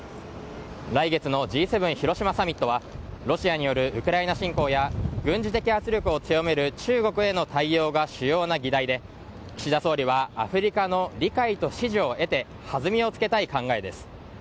来月のＧ７広島サミットはロシアによるウクライナ侵攻や軍事的圧力を強める中国への対応が主要な議題で岸田総理はアフリカの理解と支持を得て弾みをつけたい考えです。